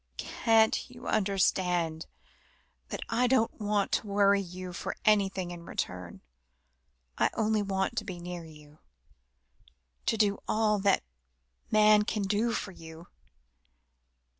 "Can't you understand that I don't want to worry you for anything in return. I only want to be near you, to do all that man can do for you."